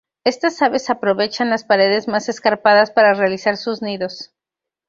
Estas aves aprovechan las paredes más escarpadas para realizar sus nidos.